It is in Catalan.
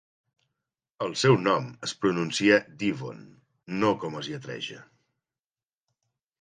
El seu nom es pronuncia "Deevon", "no" com es lletreja.